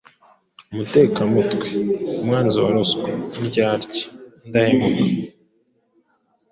umutekamutwe, umwanzi wa ruswa, indyarya, indahemuka,